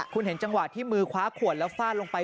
คุณเห็นจังหวะที่มือคว้าขวดแล้วฟาดลงไป